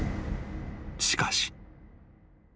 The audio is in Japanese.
［しかし］